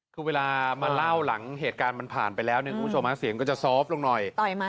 คือเวลามาเล่าหลังเหตุการณ์มันผ่านไปแล้วเนี่ยคุณผู้ชมเสียงก็จะซอฟต์ลงหน่อย